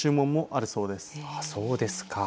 あ、そうですか。